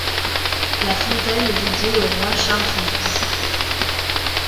La fontaine est dédiée au roi Charles-Félix.